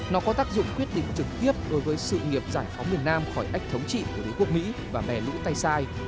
nó có tác dụng quyết định trực tiếp đối với sự nghiệp giải phóng miền nam khỏi ách thống trị của đế quốc mỹ và mè lũ tay sai